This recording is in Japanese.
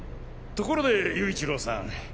ところで勇一郎さん。